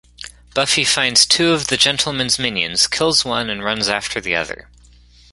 Buffy finds two of The Gentlemen's minions, kills one and runs after the other.